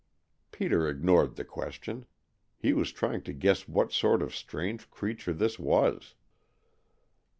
Peter ignored the question. He was trying to guess what sort of strange creature this was.